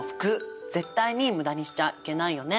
絶対に無駄にしちゃいけないよね。